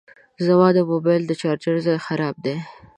زما د موبایل د چارجر ځای خراب دی